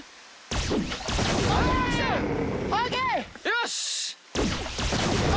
よし！